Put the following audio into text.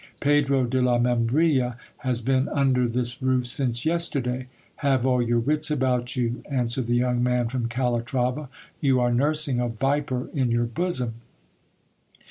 Pedro de la Membrilla has been un der this roof since yesterday. Have all your wits about you, answered the young man from Calatrava ; you are nursing a viper in your bosom.